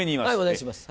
お願いします。